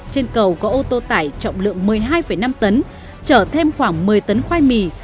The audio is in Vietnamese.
trên cầu có ô tô tải trọng lượng một mươi hai năm tấn chở thêm khoảng một mươi tấn khoai mì